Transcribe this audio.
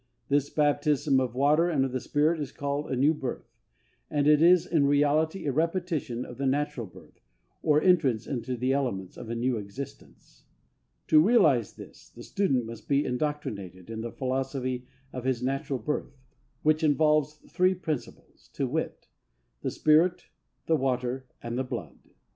This baptism of water and of the Spirit is called a new birth; and it is in reality a repetition of the natural birth, or entrance into the elements of a new existence. To realise this, the student must be indoctrinated in the philosophy of his natural birth, which involves three principles; viz. "The spirit, the water and the blood."